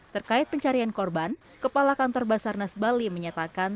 terkait pencarian korban kepala kantor basarnas bali menyatakan